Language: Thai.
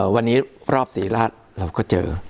วันนี้รอบศรีราชเราก็เจอ